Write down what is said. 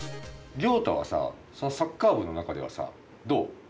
崚太はさそのサッカー部の中ではさどう？